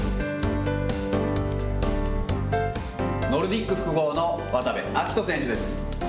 ノルディック複合の渡部暁斗選手です。